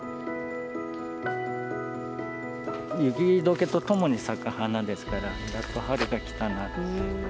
雪どけとともに咲く花ですから、やっと春が来たなと。